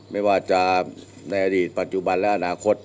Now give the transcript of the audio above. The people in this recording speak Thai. ไม่ว่าจะในอดีตปัจจุบันและอนาคต